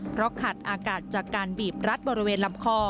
เพราะขาดอากาศจากการบีบรัดบริเวณลำคอ